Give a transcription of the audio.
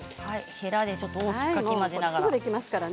へらで大きくかき混ぜながら。